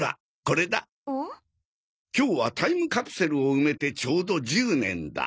今日はタイムカプセルを埋めてちょうど１０年だ。